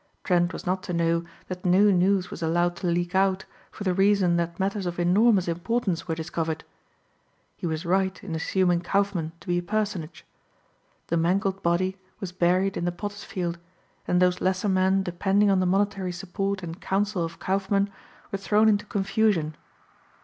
Trent was not to know that no news was allowed to leak out for the reason that matters of enormous importance were discovered. He was right in assuming Kaufmann to be a personage. The mangled body was buried in the Potters' Field and those lesser men depending on the monetary support and counsel of Kaufmann were thrown into confusion.